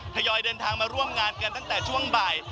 ยอยเดินทางมาร่วมงานกันตั้งแต่ช่วงบ่าย